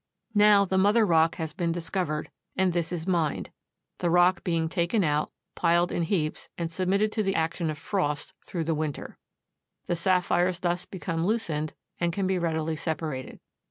Now the mother rock has been discovered, and this is mined, the rock being taken out, piled in heaps and submitted to the action of frost through the winter. The sapphires thus become loosened and can be readily separated.